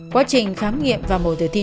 quá trình khám nghiệm và mổ tử thi cho nạn nhân